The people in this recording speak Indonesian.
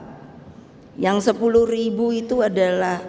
dia sudah tutup roda ini